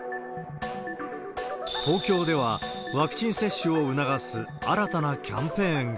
東京では、ワクチン接種を促す新たなキャンペーンが。